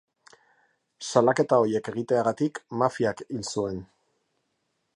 Salaketa horiek egiteagatik, mafiak hil zuen.